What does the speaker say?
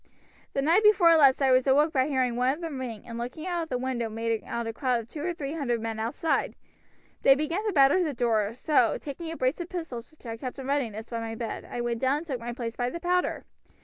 The night before last I was awoke by hearing one of them ring, and looking out of the window made out a crowd of two or three hundred men outside. They began to batter the door, so, taking a brace of pistols which I keep in readiness by my bed, I went down and took my place by the powder.